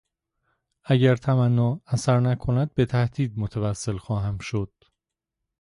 اگر تمنا اثر نکند به تهدید متوسل خواهم شد.